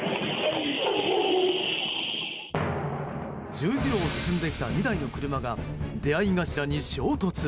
十字路を進んできた２台の車が出合い頭に衝突。